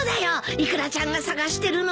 イクラちゃんが捜してるのは。